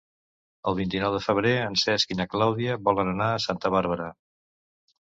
El vint-i-nou de febrer en Cesc i na Clàudia volen anar a Santa Bàrbara.